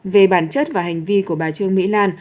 về bản chất và hành vi của bà trương mỹ lan